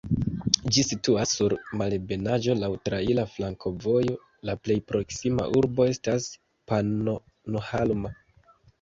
Ĝi situas sur malebenaĵo laŭ traira flankovojo, la plej proksima urbo estas Pannonhalma.